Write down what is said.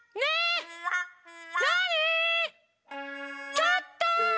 ちょっと！